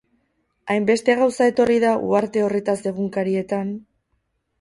Hainbeste gauza etorri da uharte horretaz egunkarietan...